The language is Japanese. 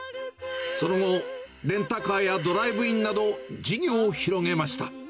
その後、レンタカーやドライブインなど、事業を広げました。